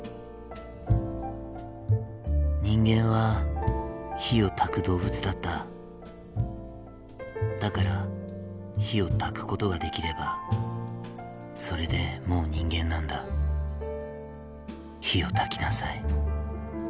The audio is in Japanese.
「人間は火を焚く動物だっただから火を焚くことができればそれでもう人間なんだ火を焚きなさい